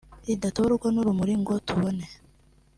ridatoborwa n’urumuri ngo tubone